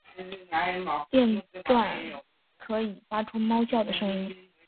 电鲇可以发出猫叫的声音。